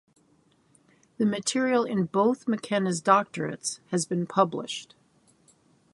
The material in both McKenna's doctorates has been published.